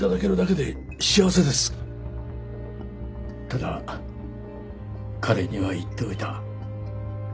ただ彼には言っておいた。